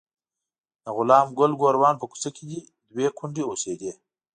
د غلام ګل ګوروان په کوڅه کې دوې کونډې اوسېدې.